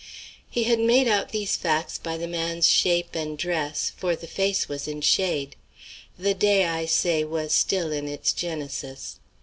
He had made out these facts by the man's shape and dress, for the face was in shade. The day, I say, was still in its genesis.